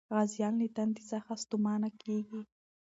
غازيان له تندې څخه ستومانه کېږي.